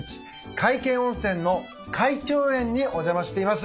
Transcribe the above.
皆生温泉の海潮園にお邪魔しています。